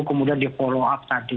kemudian di follow up tadi